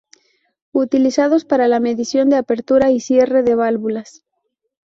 Utilizados para la medición de apertura y cierre de válvulas.